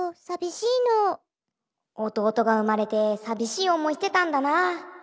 こころのこえおとうとがうまれてさびしいおもいしてたんだな。